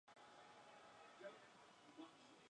Actualmente está radicado en la ciudad de Viña del Mar.